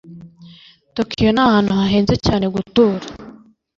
Tokiyo ni ahantu hahenze cyane gutura.